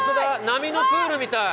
波のプールみたい。